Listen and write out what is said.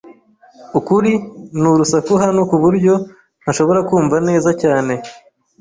ukuri ni urusaku hano kuburyo ntashobora kumva neza cyane.